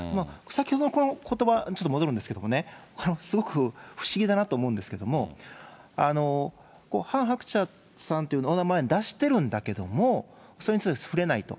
先ほど、このことば、ちょっと戻るんですけどね、すごく不思議だなと思うんですけども、ハン・ハクチャさんというお名前出してるんだけども、それについて触れないと。